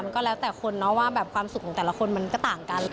มันก็แล้วแต่คนเนาะว่าแบบความสุขของแต่ละคนมันก็ต่างกัน